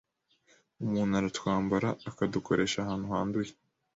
umuntu aratwambara akadukoresha ahantu handuye